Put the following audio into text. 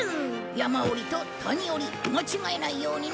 山折りと谷折り間違えないようにね。